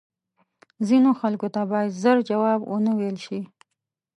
ځینو خلکو ته باید زر جواب وه نه ویل شې